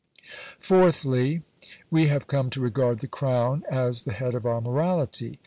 Fourthly. We have come to regard the Crown as the head of our morality.